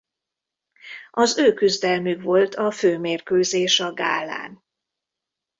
Az ő küzdelmük volt a fő mérkőzés a gálán.